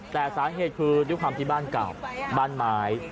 แต่สาเหตุคือด้วยความที่บ้านเก่าบ้านไม้